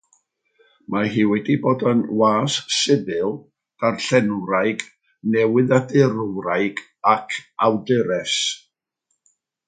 Mae hi wedi bod yn was sifil, darlledwraig, newyddiadurwraig ac awdures.